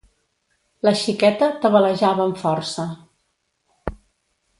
La xiqueta tabalejava amb força.